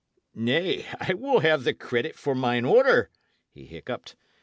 "Nay, I will have the credit for mine order," he hiccupped.